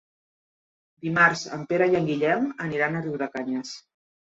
Dimarts en Pere i en Guillem aniran a Riudecanyes.